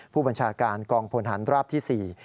ผู้บัญชาการกองพลฐานราบที่๔